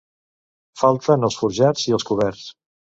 Falten els forjats i els coberts.